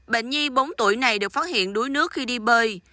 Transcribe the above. bệnh nhi bốn tuổi này được phát hiện đuối nước khi đi bơi